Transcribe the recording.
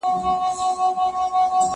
زه اوږده وخت پاکوالي ساتم وم!؟